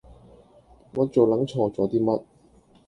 我做撚錯咗啲乜